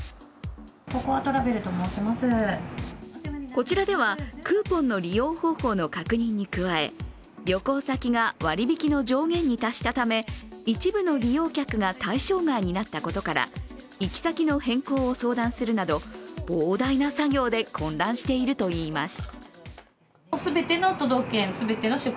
こちらでは、クーポンの利用方法の確認に加え、旅行先が割り引きの上限に達したため一部の利用客が対象外になったことから行き先の変更を相談するなど膨大な作業で混乱しているといいます。